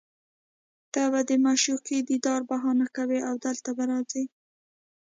ته به د معشوقې دیدار بهانه کوې او دلته به راځې